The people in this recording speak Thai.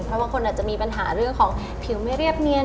เพราะบางคนอาจจะมีปัญหาเรื่องของผิวไม่เรียบเนียน